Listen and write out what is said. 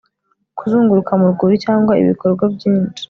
Kuzunguruka mu rwuri cyangwa ibikorwa byinshi